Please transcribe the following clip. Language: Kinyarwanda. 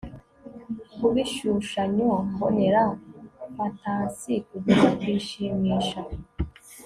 kubishushanyo mbonera fantasi kugeza kwishimisha